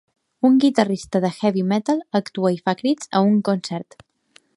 Un guitarrista de heavy metal actua i fa crits en un concert